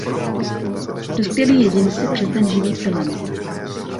Dospělí jedinci se přes den živí pylem.